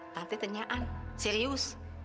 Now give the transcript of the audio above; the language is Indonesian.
tante tenyahan serius